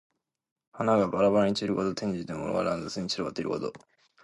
花がばらばらに散ること。転じて、物が乱雑に散らばっていること。